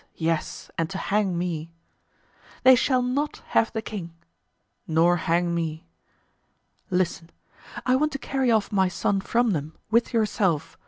yes, and to hang me." "They shall not have the king." "Nor hang me." "Listen. I want to carry off my son from them, with yourself.